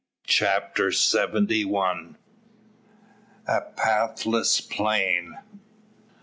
CHAPTER SEVENTY ONE. A PATHLESS PLAIN.